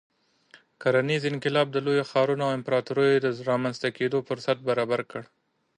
کرنیز انقلاب د لویو ښارونو او امپراتوریو د رامنځته کېدو فرصت برابر کړ.